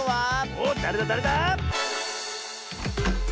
おっだれだだれだ？